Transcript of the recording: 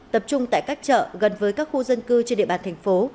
tập trung tại các chợ gần với các khu dân cư trên địa bàn thành phố